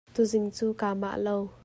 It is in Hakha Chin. Tuzing cu kaa mah lo.